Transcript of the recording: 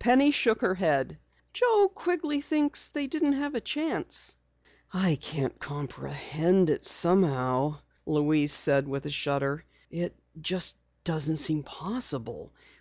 Penny shook her head. "Joe Quigley thinks they didn't have a chance." "I can't comprehend it somehow," Louise said with a shudder. "It just doesn't seem possible.